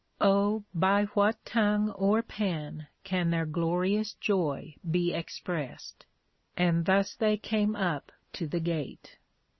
Oh, by what tongue or pen can their glorious joy be expressed! And thus they came up to the Gate.